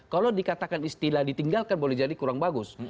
kalau dikatakan istilah ditinggalkan boleh jadi kurang bagus